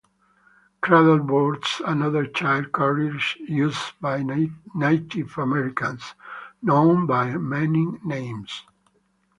Cradle boards and other child carriers used by Native Americans, known by many names.